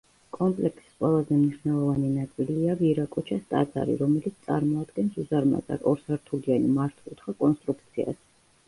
კომპლექსის ყველაზე მნიშვნელოვანი ნაწილია ვირაკოჩას ტაძარი, რომელიც წარმოადგენს უზარმაზარ, ორსართულიანი მართკუთხა კონსტრუქციას.